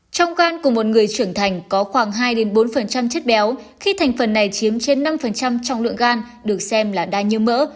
trong gan của một người trưởng thành có khoảng hai bốn chất béo khi thành phần này chiếm trên năm trong lượng gan được xem là đa như mỡ